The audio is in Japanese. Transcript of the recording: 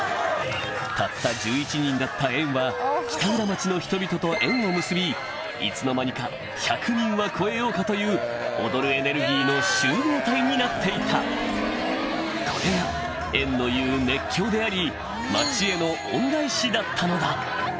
たった１１人だった縁は北浦町の人々と縁を結びいつの間にか１００人は超えようかという踊るエネルギーの集合体になっていたこれが縁のいう熱狂であり